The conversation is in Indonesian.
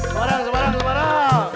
semarang semarang semarang